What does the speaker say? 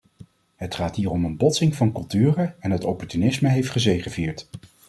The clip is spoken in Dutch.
Het gaat hier om een botsing van culturen en het opportunisme heeft gezegevierd.